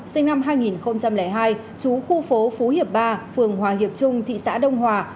sinh năm hai nghìn hai chú khu phố phú hiệp ba phường hòa hiệp trung thị xã đông hòa